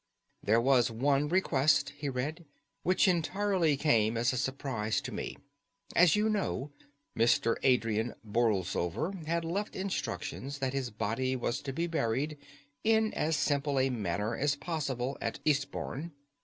"There was one request," he read, "which certainly came as a surprise to me. As you know, Mr. Adrian Borlsover had left instructions that his body was to be buried in as simple a manner as possible at Eastbourne.